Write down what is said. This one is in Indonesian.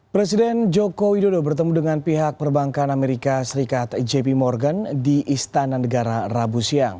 presiden joko widodo bertemu dengan pihak perbankan amerika serikat jp morgan di istana negara rabu siang